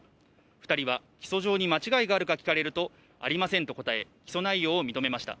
２人は起訴状に間違いがあると聞かれると、ありませんと答え、起訴内容を認めました。